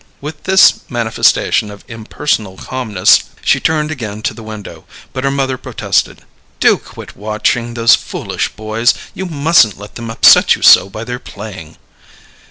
With this manifestation of impersonal calmness, she turned again to the window; but her mother protested. "Do quit watching those foolish boys; you mustn't let them upset you so by their playing."